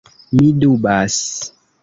Mi dubas!